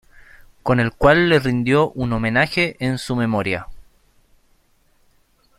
Con el cual le rindió un homenaje en su memoria.